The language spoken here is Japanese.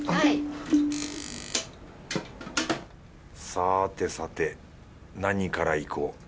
さあてさて何からいこう。